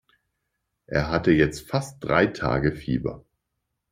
Er hatte jetzt fast drei Tage Fieber.